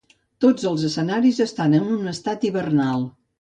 Tots els escenaris estan en un estat hivernal.